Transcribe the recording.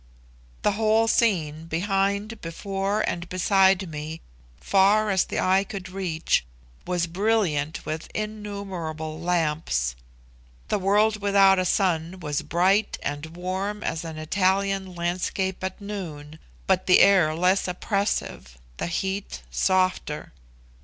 The whole scene behind, before, and beside me far as the eye could reach, was brilliant with innumerable lamps. The world without a sun was bright and warm as an Italian landscape at noon, but the air less oppressive, the heat softer.